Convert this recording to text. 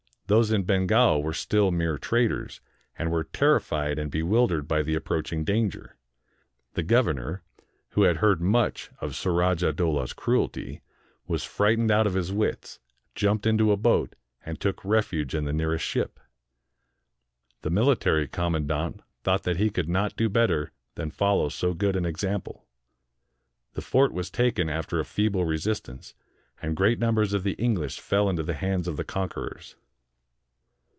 Those in Bengal were still mere traders, and were terri fied and bewildered by the approaching danger. The governor, who had heard much of Surajah Dowlah's cru elty, was frightened out of his wits, jumped into a boat, and took refuge in the nearest ship. The military com mandant thought that he could not do better than follow so good an example. The fort was taken after a feeble resistance; and great numbers of the English fell into the hands of the conquerors.